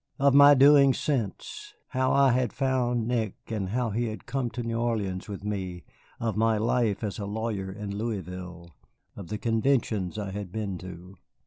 Of my doings since; how I had found Nick and how he had come to New Orleans with me; of my life as a lawyer in Louisville, of the conventions I had been to.